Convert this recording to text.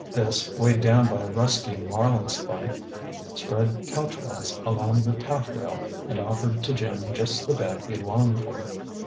This, weighted down by a rusty marlinespike, spread couchwise along the taffrail, and offered to Jim just the bed he longed for.